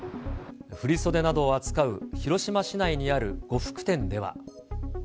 振り袖などを扱う広島市内にある呉服店では。